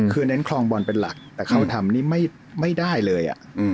คือเน้นคลองบอลเป็นหลักแต่เขาทำนี่ไม่ได้เลย